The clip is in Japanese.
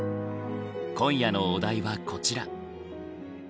今夜のお題はこちら。